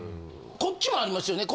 こっちもありますよね。